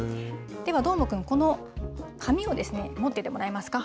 ではどーもくん、この紙を持っていてもらえますか。